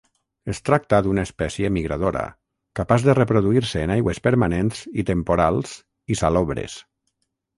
Es tracta d'una espècie migradora, capaç de reproduir-se en aigües permanents i temporals i salobres.